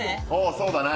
そうだな。